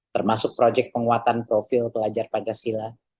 termasuk proyek penguatan profil pelajar pancasila